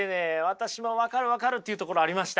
私も分かる分かるっていうところありました。